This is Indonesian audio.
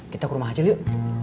kita ke rumah aja yuk